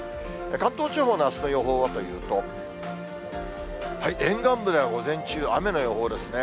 関東地方のあすの予報はというと、沿岸部では午前中、雨の予報ですね。